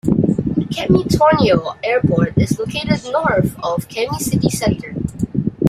Kemi-Tornio Airport is located north of Kemi city centre.